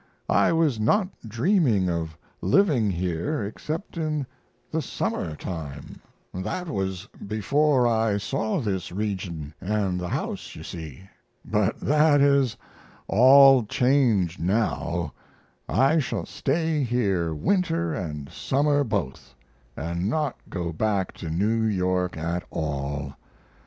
I was not dreaming of living here except in the summer time that was before I saw this region & the house, you see but that is all changed now; I shall stay here winter & summer both & not go back to New York at all.